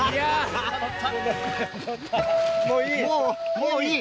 「もういい」。